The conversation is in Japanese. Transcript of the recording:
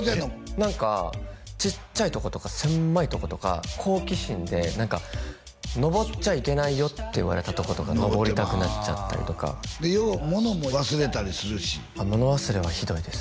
何かちっちゃいとことか狭いとことか好奇心で何か登っちゃいけないよって言われたとことか登りたくなっちゃったりとかでよう物も忘れたりするし物忘れはひどいです